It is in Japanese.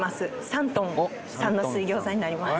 山東さんの水餃子になります